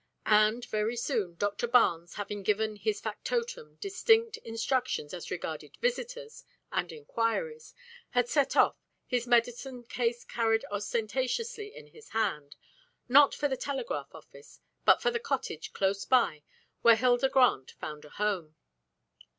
And very soon, Dr. Barnes, having given his factotum distinct instructions as regarded visitors, and inquiries, had set off, his medicine case carried ostentatiously in his hand, not for the telegraph office, but for the cottage, close by, where Hilda Grant found a home.